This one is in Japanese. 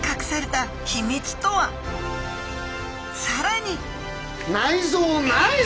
さらに！